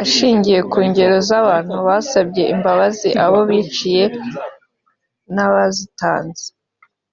Ashingiye ku ngero z’abantu basabye imbabazi abo biciye n’abazitanze